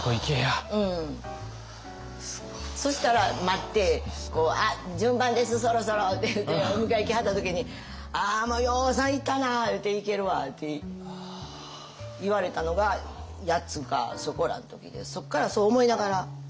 そしたら待って「あっ順番ですそろそろ」って言うてお迎え来はった時に「ああもうようさん行ったな言うて逝けるわ」って言われたのが８つかそこらの時でそっからそう思いながら。